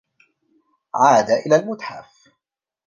عاد إلى المتحف.